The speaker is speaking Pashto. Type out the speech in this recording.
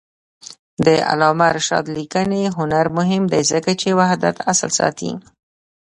د علامه رشاد لیکنی هنر مهم دی ځکه چې وحدت اصل ساتي.